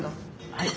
はい。